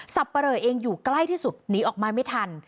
ปะเลอเองอยู่ใกล้ที่สุดหนีออกมาไม่ทัน